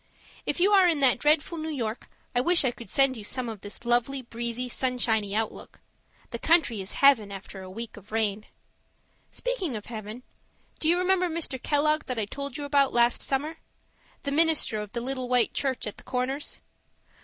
If you are in that dreadful New York, I wish I could send you some of this lovely, breezy, sunshiny outlook. The country is Heaven after a week of rain. Speaking of Heaven do you remember Mr. Kellogg that I told you about last summer? the minister of the little white church at the Corners.